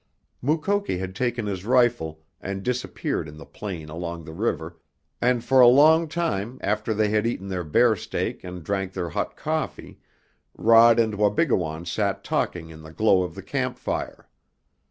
Mukoki had taken his rifle and disappeared in the plain along the river, and for a long time after they had eaten their bear steak and drank their hot coffee Rod and Wabigoon sat talking in the glow of the camp fire.